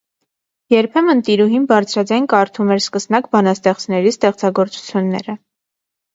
Երբեմն տիրուհին բարձրաձայն կարդում էր սկսնակ բանաստեղծների ստեղծագործությունները։